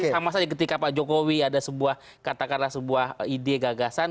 sama saja ketika pak jokowi ada sebuah katakanlah sebuah ide gagasan